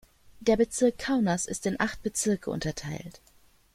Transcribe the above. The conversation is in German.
Der Bezirk Kaunas ist in acht Bezirke unterteilt.